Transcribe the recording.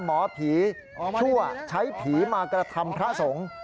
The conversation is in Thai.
หมอผีชั่วใช้ผีมากระทำพระสงฆ์